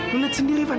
lo lihat sendiri fad